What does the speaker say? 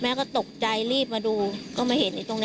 แล้วหลังจากนั้นเราขับหนีเอามามันก็ไล่ตามมาอยู่ตรงนั้น